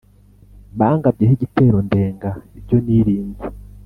bangabyeho igitero ndenga ibyo nirinze